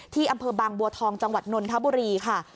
อำเภอบางบัวทองจังหวัดนนทบุรีค่ะ